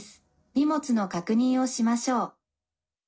荷物の確認をしましょう」。